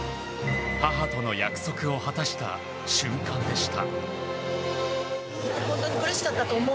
母との約束を果たした瞬間でした。